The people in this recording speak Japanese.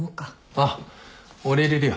あっ俺入れるよ。